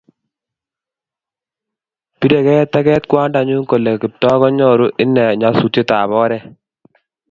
biregei teket kwandanyu kole Kiptooo konyoru inen nyosutiekab oret